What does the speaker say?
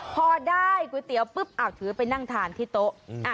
พอได้ก๋วยเตี๋ยวปุ๊บถือไปนั่งทานที่โต๊ะ